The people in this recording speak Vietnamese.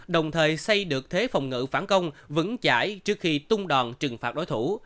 đồng thời xây được thế phòng ngự phản công vững chải trước khi tung đòn trừng phạt đối thủ